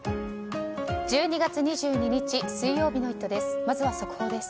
１２月２２日、水曜日の「イット！」です。